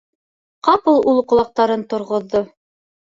Ҡапыл ул ҡолаҡтарын торғоҙҙо.